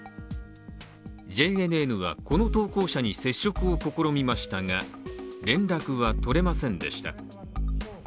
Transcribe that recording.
ＪＮＮはこの投稿者に接触を試みましたが連絡は取れませんでした。